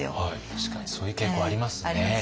確かにそういう傾向ありますね。